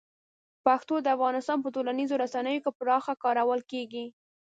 پښتو د افغانستان په ټولنیزو رسنیو کې پراخه کارول کېږي.